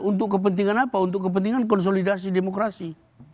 untuk kepentingan apa untuk kepentingan konsolidasi demokrasi